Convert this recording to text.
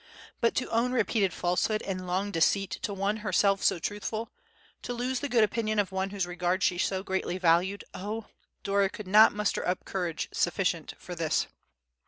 But to own repeated falsehood and long deceit to one herself so truthful, to lose the good opinion of one whose regard she so greatly valued, oh! Dora could not muster up courage sufficient for this!